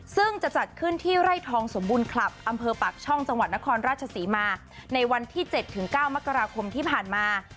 ซึ่งจะจัดขึ้นที่ไร่ทองสมบูรณคลับอำเภอปากช่องจังหวัดนครราชศรีมาในวันที่๗๙มกราคมที่ผ่านมา